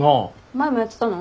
前もやってたの？